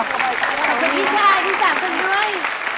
ขอบคุณพี่ชายที่สามคนด้วย